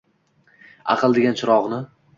Аql degan chirogʼini